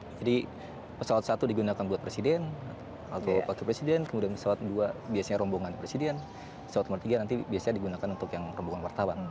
jadi pesawat satu digunakan buat presiden kemudian pesawat dua biasanya rombongan presiden pesawat ketiga biasanya digunakan untuk yang rombongan wartawan